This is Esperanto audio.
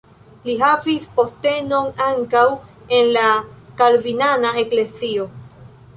Li havis postenon ankaŭ en la kalvinana eklezio.